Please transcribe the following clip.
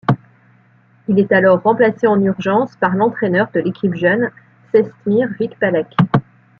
Il est alors remplacé en urgence par l'entraîneur de l'équipe jeune Čestmír Vycpálek.